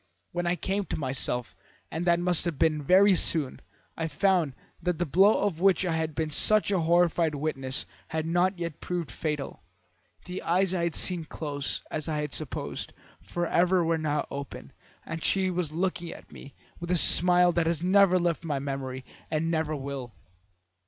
When I came to myself, and that must have been very soon, I found that the blow of which I had been such a horrified witness had not yet proved fatal. The eyes I had seen close, as I had supposed, forever, were now open, and she was looking at me with a smile that has never left my memory, and never will.